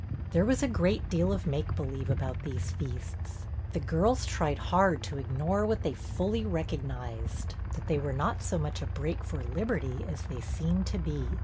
There was a great deal of make believe about these feasts. The girls tried hard to ignore what they fully recognized, — that they were not so much a break for liberty as they seemed to be.